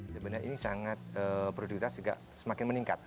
sebenarnya ini sangat produktifitas juga semakin meningkat